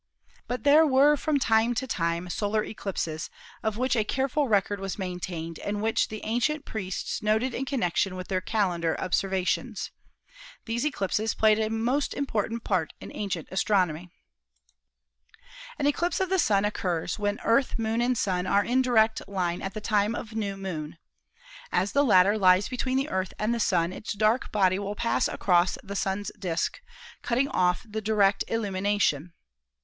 But there were from time to time solar eclipses, of which a careful record was maintained and which the ancient priests noted in connection with their calendar observa tions. These eclipses played a most important part in ancient astronomy. 94 ASTRONOMY An eclipse of the Sun occurs when Earth, Moon and Sun are in direct line at the tkne of new Moon. As the latter lies between the Earth and the Sun its dark body will pass across the Sun's disk, cutting off the direct illumi nation.